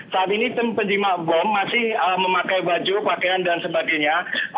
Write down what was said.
saat ini tim penjimak bom masih memakai baju pakaian dan sebagainya